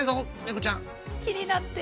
気になってる。